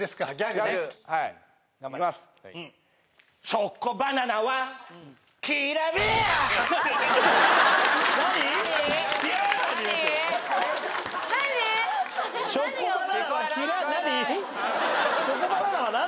チョコバナナはきら何？